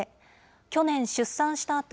去年出産したあと、